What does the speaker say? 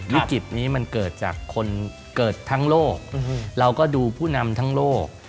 วิกฤตนี้มันเกิดจากคนเกิดทั้งโลกเราก็ดูผู้นำทั้งโลก